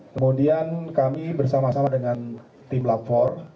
kemudian kami bersama sama dengan tim lab empat